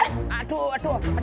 aduh aduh aduh